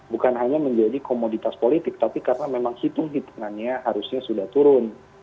bukan hanya menjadi komoditas politik tapi karena memang hitung hitungannya harusnya sudah turun